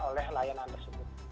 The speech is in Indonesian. oleh layanan tersebut